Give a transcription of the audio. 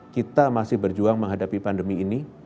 kita masih berjuang menghadapi pandemi ini